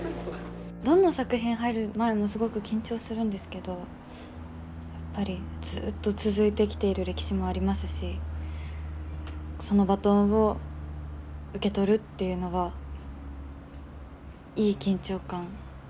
どんな作品入る前もすごく緊張するんですけどやっぱりずっと続いてきている歴史もありますしそのバトンを受け取るっていうのはいい緊張感心地よい重みみたいなものがありました。